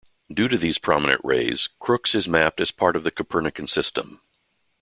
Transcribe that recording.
Due to these prominent rays, Crookes is mapped as part of the Copernican System.